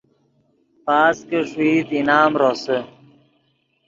پاس کہ ݰوئیت انعام روسے